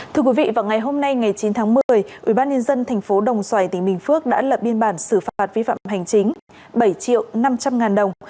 thưa quý vị vào ngày hôm nay ngày chín tháng một mươi ubnd tp đồng xoài tỉnh bình phước đã lập biên bản xử phạt vi phạm hành chính bảy triệu năm trăm linh ngàn đồng